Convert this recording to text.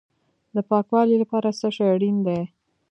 د پاکوالي لپاره څه شی اړین دی؟